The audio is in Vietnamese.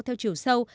theo chiều sâu